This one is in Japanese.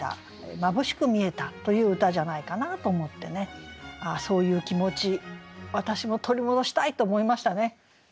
まぶしく見えたという歌じゃないかなと思ってねああそういう気持ち私も取り戻したいと思いましたね。